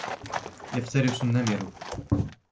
يَفْتَرِسُ النَّمِرُ.